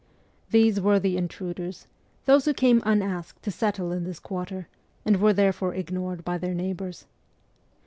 These were the intruders, those who came unasked to settle in this quarter, and were therefore ignored by their neigh bours.